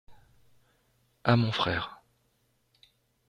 À mon frère.